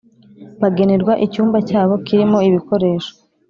bagenerwa icyumba cyabo kirimo ibikoresho